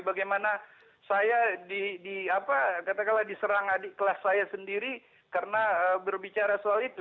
bagaimana saya katakanlah diserang adik kelas saya sendiri karena berbicara soal itu